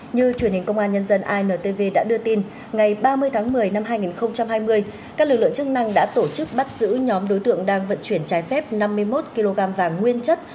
như truyền hình công an nhân dân intv đã đưa tin ngày ba mươi tháng một mươi năm hai nghìn hai mươi các lực lượng chức năng đã tổ chức bắt giữ nhóm đối tượng đang vận chuyển trái phép năm mươi một kg vàng nguyên chất